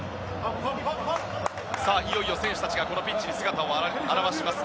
いよいよ選手たちがピッチに姿を現します。